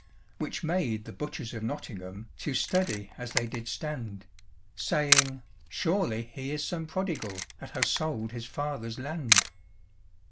Which made the butchers of Nottingham To study as they did stand, Saying, "Surely he is some prodigal That has sold his father's land."